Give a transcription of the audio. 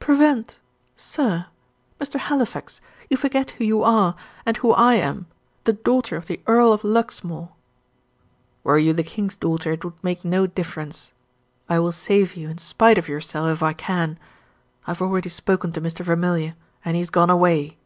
"Prevent! sir! Mr. Halifax! You forget who you are, and who I am the daughter of the Earl of Luxmore." "Were you the King's daughter it would make no difference. I will save you in spite of yourself, if I can. I have already spoken to Mr. Vermilye, and he has gone away."